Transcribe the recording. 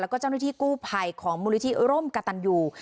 แล้วก็เจ้าหน้าที่กู้ภัยของมูลนิธิร่มกระตันยู